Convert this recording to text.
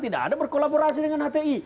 tidak ada berkolaborasi dengan hti